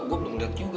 gue belum liat juga